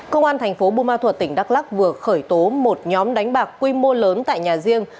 công an thành phố bùa ma thuật tỉnh đắk lắc vừa khởi tố một nhóm đánh bạc quy mô lớn tại nhà riêng